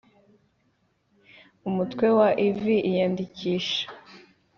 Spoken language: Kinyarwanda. Umutwe wa iv iyandikisha